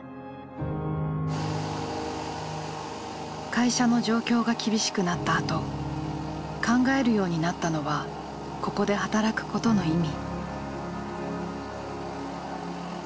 会社の状況が厳しくなったあと考えるようになったのはここで働くことの意味。